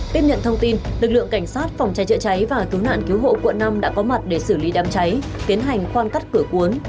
tiếp nhận thông tin lực lượng cảnh sát phòng cháy chữa cháy và cứu nạn cứu hộ quận năm đã có mặt để xử lý đám cháy tiến hành khoan cắt cửa cuốn